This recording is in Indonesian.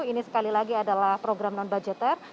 ini sekali lagi adalah program non budgeter